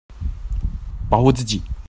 保護自己